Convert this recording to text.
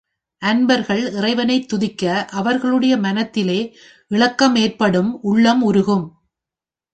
அன்பர்கள் இறைவனைத் துதிக்க அவர்களுடைய மனத்திலே இளக்கம் ஏற்படும் உள்ளம் உருகும்.